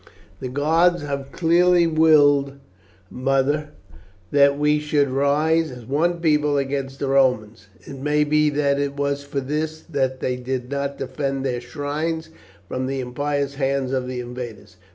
"The gods have clearly willed, mother, that we should rise as one people against the Romans. It may be that it was for this that they did not defend their shrines from the impious hands of the invaders.